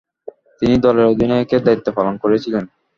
তিনি দলের অধিনায়কের দায়িত্ব পালন করেছিলেন।